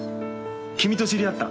君と知り合った。